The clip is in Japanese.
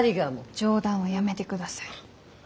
冗談はやめてください。